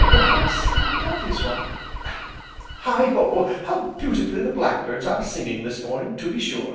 Perhaps that is why Heigho! how beautifully the black birds are singing this morning, to be sure!"